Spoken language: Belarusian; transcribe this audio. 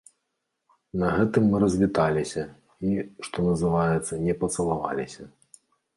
На гэтым мы развіталіся і, што называецца, не пацалаваліся.